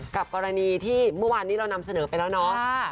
กับกรณีที่เมื่อวานนี้เรานำเสนอไปแล้วเนาะ